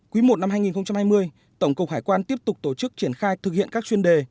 quý i năm hai nghìn hai mươi tổng cục hải quan tiếp tục tổ chức triển khai thực hiện các chuyên đề